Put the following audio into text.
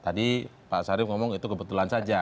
tadi pak sarif ngomong itu kebetulan saja